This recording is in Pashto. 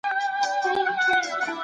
دا داستان ډېر پخوانی دی.